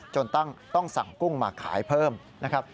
ต้องสั่งกุ้งมาขายเพิ่มนะครับ